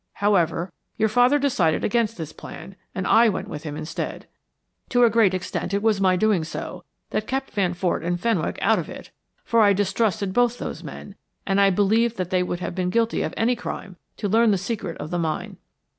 However, your father decided against this plan, and I went with him instead. To a great extent it was my doing so that kept Van Fort and Fenwick out of it, for I distrusted both those men, and I believed that they would have been guilty of any crime to learn the secret of the mine.